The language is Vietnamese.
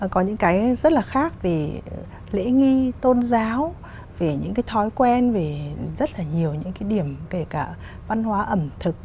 có những cái rất là khác về lễ nghi tôn giáo về những cái thói quen về rất là nhiều những cái điểm kể cả văn hóa ẩm thực